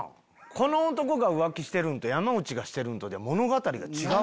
この男が浮気してるんと山内がしてるんとで物語が違う。